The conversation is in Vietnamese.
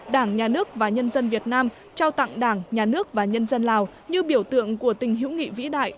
đảng nhà nước và nhân dân việt nam trao tặng đảng nhà nước và nhân dân lào như biểu tượng của tình hữu nghị vĩ đại